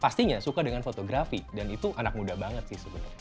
pastinya suka dengan fotografi dan itu anak muda banget sih sebenarnya